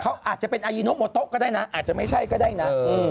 เขาอาจจะเป็นอายีโนโมโต๊ก็ได้นะอาจจะไม่ใช่ก็ได้นะ